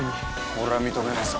俺は認めないぞ。